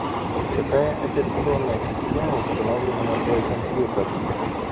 Какая операционная система установлена на твой компьютер?